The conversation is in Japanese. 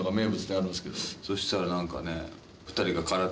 そしたらなんかね。